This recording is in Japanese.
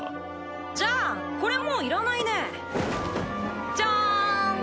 じゃあコレもういらないねジャン！